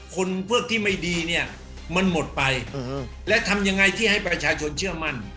คนพวกที่ไม่ดีเนี่ยมันหมดไปและทำยังไงที่ให้ประชาชนเชื่อมั่น